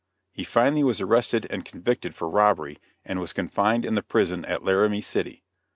He finally was arrested and convicted for robbery, and was confined in the prison at Laramie City.